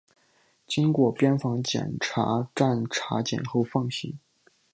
经边防检查站查验后放行。